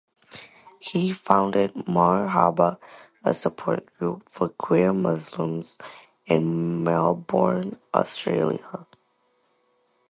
He founded Marhaba, a support group for queer Muslims in Melbourne, Australia.